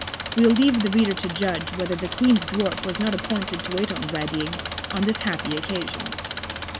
We'll leave the Reader to judge whether the Queen's Dwarf was not appointed to wait on Zadig on this happy Occasion.